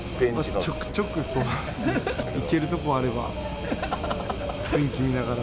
まあ、ちょくちょくですね、いけるところあれば、雰囲気見ながら。